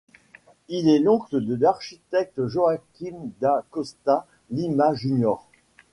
Il est l'oncle de l'architecte Joaquim da Costa Lima Júnior.